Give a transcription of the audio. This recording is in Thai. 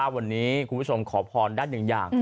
วันนี้คุณผู้ชมขอพรได้หนึ่งอย่าง